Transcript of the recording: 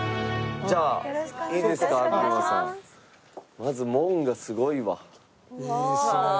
まず門がすごいわ。